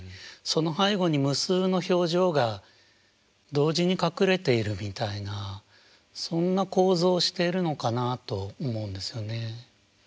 その背後に無数の表情が同時に隠れているみたいなそんな構造をしているのかなと思うんですよね。